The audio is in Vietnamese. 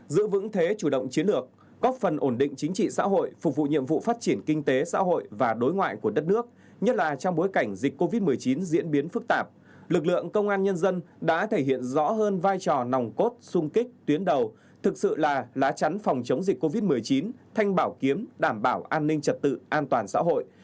góp phần ổn định chính trị xã hội phục vụ nhiệm vụ phát triển kinh tế xã hội và đối ngoại của đất nước nhất là trong bối cảnh dịch covid một mươi chín diễn biến phức tạp lực lượng công an nhân dân đã thể hiện rõ hơn vai trò nòng cốt xung kích tuyến đầu thực sự là lá chắn phòng chống dịch covid một mươi chín thanh bảo kiếm đảm bảo an ninh trật tự an toàn xã hội